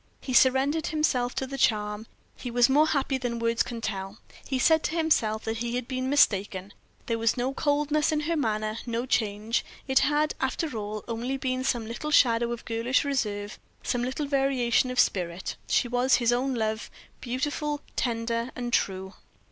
He surrendered himself to the charm he was more happy than words can tell; he said to himself that he had been mistaken, there was no coldness in her manner, no change; it had, after all, only been some little shadow of girlish reserve, some little variation of spirit; she was his own love beautiful, tender, and true.